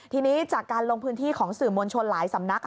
ทีนี้จากการลงพื้นที่ของสื่อมวลชนหลายสำนัก